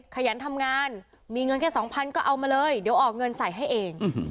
ขยันทำงานมีเงินแค่สองพันก็เอามาเลยเดี๋ยวออกเงินใส่ให้เอง